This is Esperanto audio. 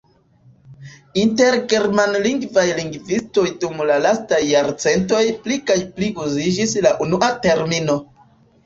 Inter germanlingvaj lingvistoj dum la lastaj jarcentoj pli kaj pli uziĝis la unua termino.